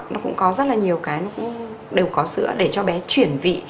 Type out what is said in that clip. nó cũng có rất là nhiều cái đều có sữa để cho bé chuyển vị